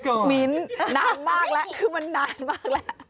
ครับมากแหละคือมันนานมากอะ